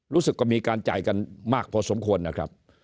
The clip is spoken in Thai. รู้สึกว่ามีการจ่ายกันมากพอสมควรนะครับ